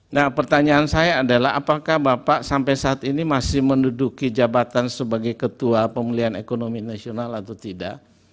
nah pertanyaan saya adalah apakah bapak sampai saat ini masih menduduki jabatan sebagai ketua pemulihan ekonomi nasional atau tidak